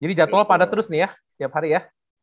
jadi jadwal pada terus nih ya tiap hari ya